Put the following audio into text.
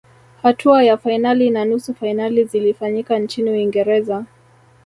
hatua ya fainali na nusu fainali zilifanyika nchini uingereza